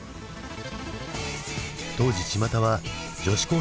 当時ちまたは女子高生ブーム。